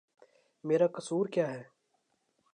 میرا قصور کیا ہے؟